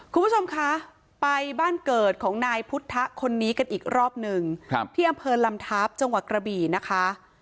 คุณผู้ชมคะไปบ้านเกิดของนายพุทธคนนี้กันอีกรอบหนึ่งที่อำเภอลำทัพจังหวัดกระบี่นะคะ